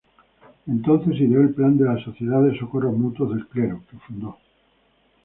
Entonces ideó el plan de la Sociedad de socorros mutuos del Clero, que fundó.